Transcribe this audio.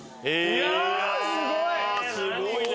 いやすごいね。